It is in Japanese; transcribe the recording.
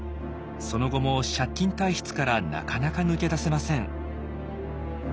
その後も借金体質からなかなか抜け出せません。